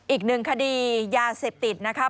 อีกหนึ่งคดียาเสพติดนะครับ